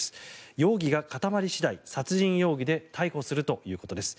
容疑が固まり次第、殺人容疑で逮捕するということです。